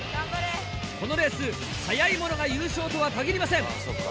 このレース速い者が優勝とは限りません。